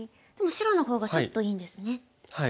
でも白の方がちょっといいんですね。